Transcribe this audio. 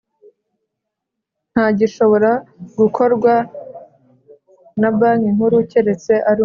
Nta gishobora gukorwa na Banki Nkuru keretse arundi